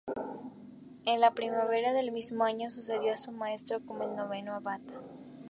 En la primavera del mismo año sucedió a su maestro como el noveno abad.